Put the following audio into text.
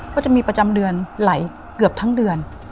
ก็จะมีประจำเดือนไหลเกือบทั้งเดือน